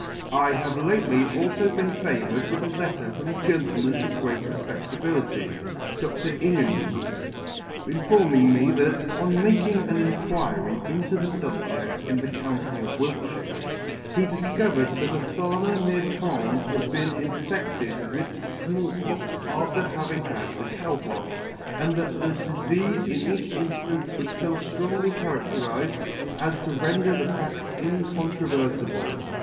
I have lately alfo been favoured with a letter from a gentleman of great refpe&ability (Dr. Ingenhoufz) informing me that, on making an inquiry into the fubjedt in the county of Wilts, he difcovered that a farmer near Caine had been infedled with the Small Pox after having had the Cow Pox, and that the difeafe in each inftance was fo ftrongly chara&erifed, as to render the fa&s incontrover tible.